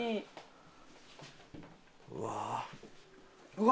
うわ。